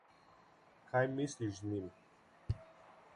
Kaj misliš z njim?